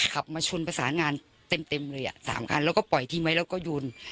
ขับมาชนประสานงานเต็มเลยอ่ะ๓คันแล้วก็ปล่อยทิ้งไว้แล้วก็โยน